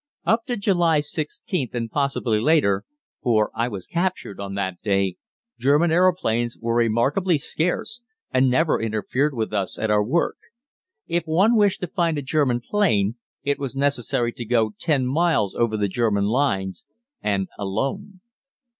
Up to July 16th, and possibly later, for I was captured on that day, German aeroplanes were remarkably scarce, and never interfered with us at our work. If one wished to find a German plane, it was necessary to go ten miles over the German lines, and alone.